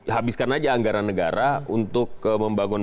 habiskan aja anggaran negara untuk membangun